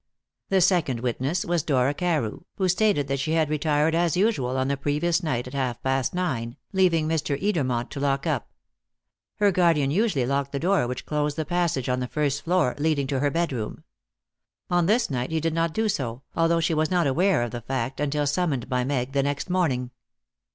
The second witness was Dora Carew, who stated that she had retired as usual on the previous night at half past nine, leaving Mr. Edermont to lock up. Her guardian usually locked the door which closed the passage on the first floor leading to her bedroom. On this night he did not do so, although she was not aware of the fact until summoned by Meg the next morning.